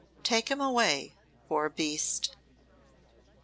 Take him away, poor beast."